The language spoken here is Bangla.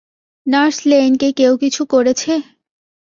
নার্স লেইন কে কেউ কিছু করেছে?